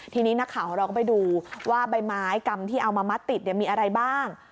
ทีนี้นักข่าวของเราก็ไปดูว่าใบไม้กรรมที่เอามามัดติดมีอะไรบ้าง